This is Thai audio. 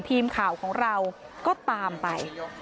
ทีมข่าวของเราก็ตามไป